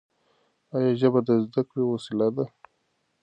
ایا ژبه د زده کړې وسیله ده؟